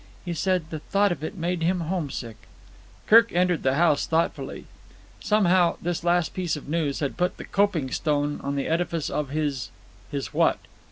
He said the thought of it made him homesick." Kirk entered the house thoughtfully. Somehow this last piece of news had put the coping stone on the edifice of his—his what?